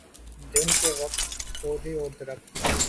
دن کے وقت پودے اور درخت